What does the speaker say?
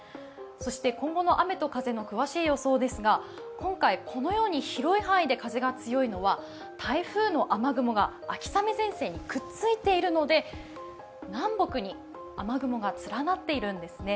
そして今後の雨と風の詳しい予想ですが今回、このように広い範囲で風が強いのは台風の雨雲が秋雨前線にくっついているので、南北に雨雲が連なっているんですね。